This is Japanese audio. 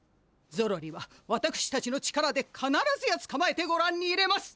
ゾロリはわたくしたちの力でかならずやつかまえてごらんに入れます。